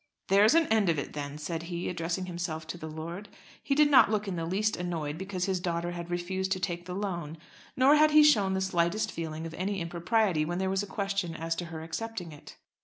"There's an end of it then," said he, addressing himself to the lord. He did not look in the least annoyed because his daughter had refused to take the loan, nor had he shown the slightest feeling of any impropriety when there was a question as to her accepting it.